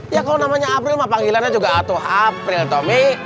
ya kalo namanya april mah panggilannya juga atuh april tomi